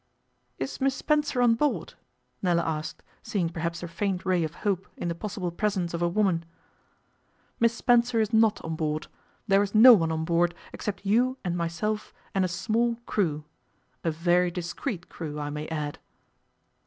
'Is Miss Spencer on board?' Nella asked, seeing perhaps a faint ray of hope in the possible presence of a woman. 'Miss Spencer is not on board. There is no one on board except you and myself and a small crew a very discreet crew, I may add.